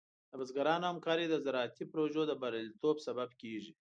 د بزګرانو همکاري د زراعتي پروژو د بریالیتوب سبب کېږي.